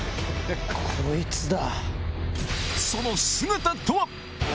こいつだ。